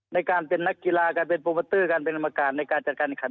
ในการเป็นนักกีฬาการเป็นโปรโมเตอร์การเป็นกรรมการในการจัดการขัน